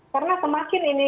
karena semakin ini